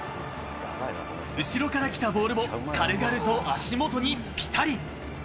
後ろから来たボールを軽々と足元にぴたり。